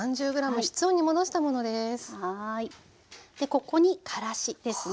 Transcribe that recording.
でここにからしですね。